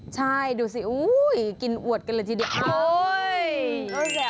ใช่ดูสิอู้ยกินอวดกันเลยจริง